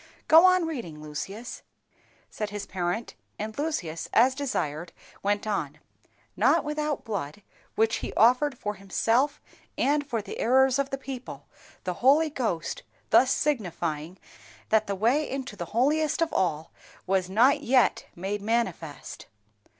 "Go on reading, Lucius," said his parent, and Lucius, as desired, went on. "_Not without blood, which he offered for himself and for the errors of the people, the Holy Ghost thus signifying that the way into the holiest of all was not yet made manifest.